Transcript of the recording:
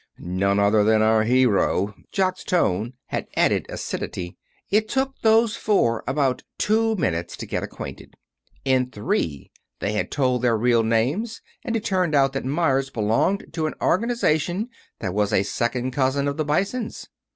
"None other than our hero." Jock's tone had an added acidity. "It took those four about two minutes to get acquainted. In three minutes they had told their real names, and it turned out that Meyers belonged to an organization that was a second cousin of the Bisons.